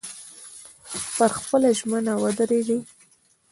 پر خپله ژمنه ودرېږئ.